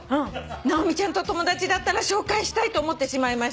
「直美ちゃんと友達だったら紹介したいと思ってしまいました」